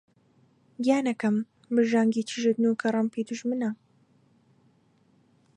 گیانەکەم! برژانگی تیژت نووکە ڕمبی دوژمنە